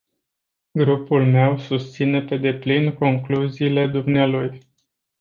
Grupul meu susține pe deplin concluziile dumnealui.